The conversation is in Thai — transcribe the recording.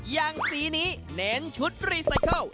อย่างสีนี้เน้นชุดรีไซเคิล